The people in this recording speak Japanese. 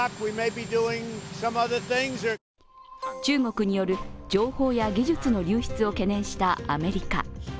中国による情報や技術の流出を懸念したアメリカ。